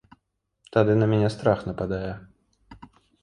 Тады на мяне страх нападае.